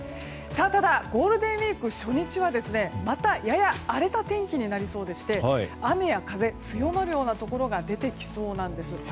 ただ、ゴールデンウィーク初日はやや荒れた天気になりそうでして雨や風、強まるところが出てきそうなんです。